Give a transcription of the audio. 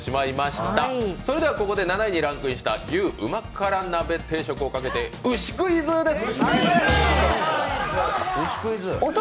ここで７位にランクインした牛・旨辛鍋定食をかけて牛クイズです！